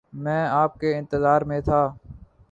میں آپ کے انتظار میں تھا